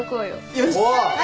よし。